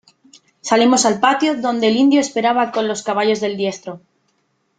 salimos al patio , donde el indio esperaba con los caballos del diestro :